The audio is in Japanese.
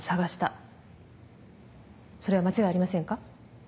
それは間違いありませんか？